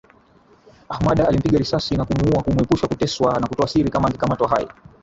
Ahmada akampiga risasi na kumuua kumuepusha kuteswa na kutoa siri kama angekamatwa hai